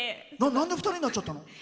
なんで２人になっちゃったの？